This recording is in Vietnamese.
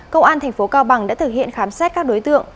công an tp cao bằng đã thực hiện khám xét các đối tượng